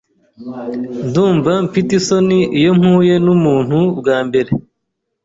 Ndumva mfite isoni iyo mpuye numuntu bwa mbere.